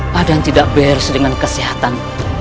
padan tidak bers dengan kesehatan